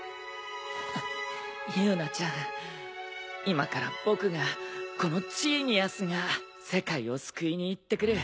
今から僕がこのジーニアスが世界を救いに行ってくる。